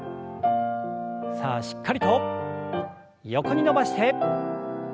さあしっかりと横に伸ばして。